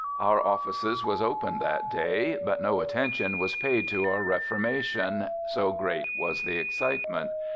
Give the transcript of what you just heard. Our offices was opened that day, but no attention was paid to our reformation so great was the excitement.